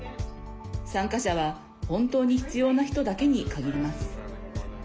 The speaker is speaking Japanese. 参加者は本当に必要な人だけに限ります。